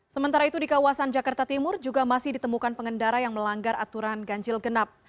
sementara itu di kawasan jakarta timur juga masih ditemukan pengendara yang melanggar aturan ganjil genap